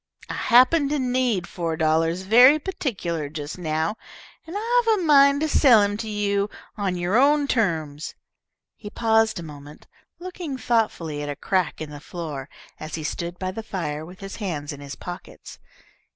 I happen to need four dollars very particular just now, and I've a mind to sell him to you on your own terms." He paused a moment, looking thoughtfully at a crack in the floor, as he stood by the fire with his hands in his pockets.